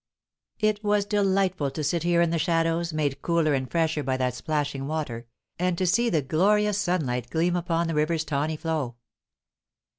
It was delightful to sit here in the shadows, made cooler and fresher by that plashing water, and to see the glorious sunlight gleam upon the river's tawny flow.